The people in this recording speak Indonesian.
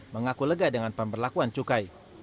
mengaku lega dengan pemberlakuan cukai